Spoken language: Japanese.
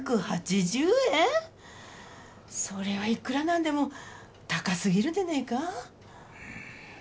それはいくら何でも高過ぎるんでねえか？